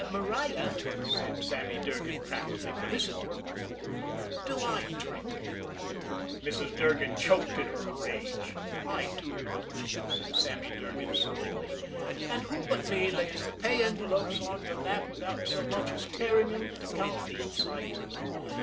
"Maria," said Sammy Durgan craftily, for this had worked before, "do I drink?" Mrs. Durgan choked in her rage. "I do not," said Sammy Durgan soothingly. "And who but me lays the pay envelopes on your lap without so much as tearing 'em to count the insides of 'em?